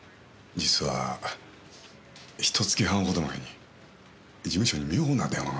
実はひと月半ほど前に事務所に妙な電話がありまして。